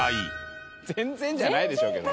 全然じゃないでしょうけどね。